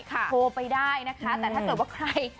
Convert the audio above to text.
โทรไปได้นะคะแต่ถ้าเกิดว่าใคร